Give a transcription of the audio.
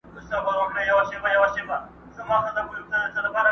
رامعلوم دي د ځنګله واړه کارونه؛